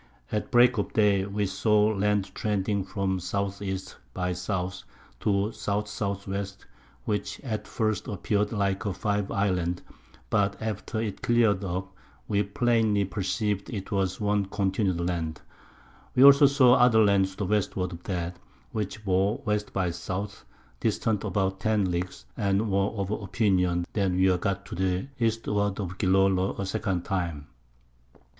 At Break of Day we saw Land trending from S. E. by S. to S. S. W. which at first appear'd like 5 Islands, but after it clear'd up, we plainly perceiv'd it was one continued Land; we also saw other Lands to the Westward of that, which bore W. by S. distant about 10 Leagues, and were of Opinion, that we were got to the Eastward of Gillolo a second Time.